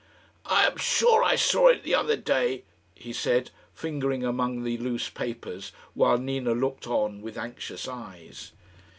"I am sure I saw it the other day," he said, fingering among the loose papers while Nina looked on with anxious eyes.